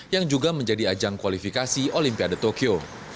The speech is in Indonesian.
yang juga menjadi ajang kualifikasi olimpiade tokyo